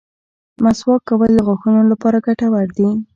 مسواک کول د غاښونو لپاره ګټور دي.